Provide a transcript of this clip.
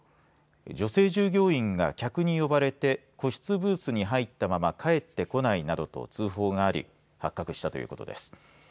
女性従業員が客に呼ばれて個室ブースに入ったまま帰ってこないなどと通報があり発覚したということです。